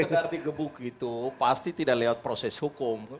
sekedar digebuk itu pasti tidak lewat proses hukum